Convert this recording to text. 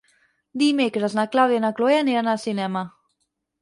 Dimecres na Clàudia i na Cloè aniran al cinema.